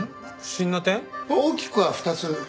大きくは２つ。